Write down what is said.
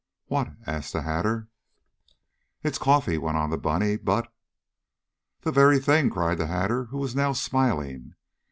"What?" asked the Hatter. "It's coffee," went on the bunny, "but " "The very thing!" cried the Hatter, who was now smiling.